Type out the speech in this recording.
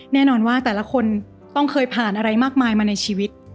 แน่นอนว่าแต่ละคนต้องเคยผ่านอะไรมากมายมาในชีวิต